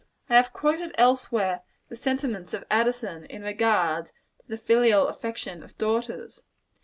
I have quoted, elsewhere, the sentiments of Addison, in regard to the filial affection of daughters.